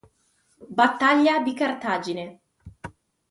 Battaglia di Cartagine